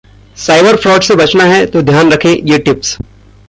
cyber fraud से बचना है तो ध्यान रखें ये टिप्स